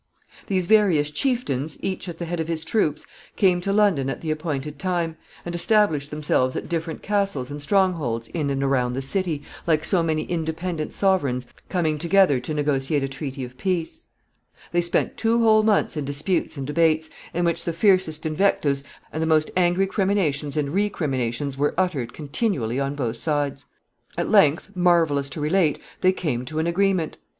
] These various chieftains, each at the head of his troops, came to London at the appointed time, and established themselves at different castles and strong holds in and around the city, like so many independent sovereigns coming together to negotiate a treaty of peace. [Sidenote: Disputes and debates.] They spent two whole months in disputes and debates, in which the fiercest invectives and the most angry criminations and recriminations were uttered continually on both sides. At length, marvelous to relate, they came to an agreement.